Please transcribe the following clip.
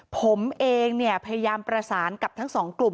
ผมเองเนี่ยพยายามประสานกับทั้งสองกลุ่ม